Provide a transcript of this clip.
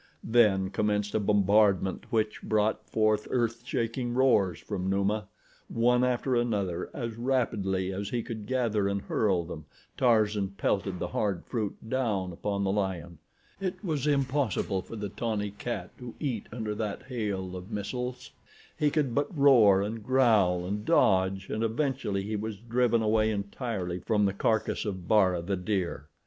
Then commenced a bombardment which brought forth earthshaking roars from Numa. One after another as rapidly as he could gather and hurl them, Tarzan pelted the hard fruit down upon the lion. It was impossible for the tawny cat to eat under that hail of missiles—he could but roar and growl and dodge and eventually he was driven away entirely from the carcass of Bara, the deer.